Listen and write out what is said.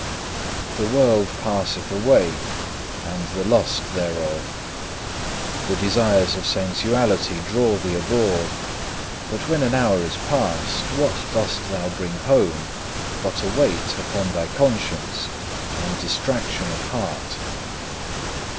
The world passeth away and the lust thereof. The desires of sensuality draw thee abroad, but when an hour is past, what dost thou bring home, but a weight upon thy conscience and distraction of heart?